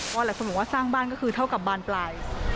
หลายคนบอกว่าสร้างบ้านก็คือเท่ากับบานปลาย